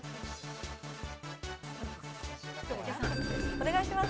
お願いします。